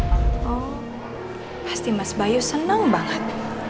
oh pasti mas bayu senang banget